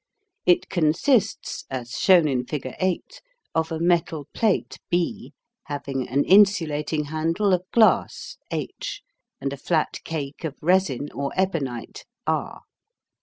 It consists, as shown in figure 8, of a metal plate B having an insulating handle of glass H, and a flat cake of resin or ebonite R.